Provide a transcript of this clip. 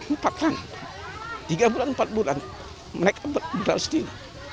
empat tahun tiga bulan empat bulan mereka berbudal setinggi